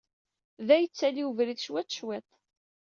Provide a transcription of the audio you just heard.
Da, yettaley webrid cwiṭ, cwiṭ.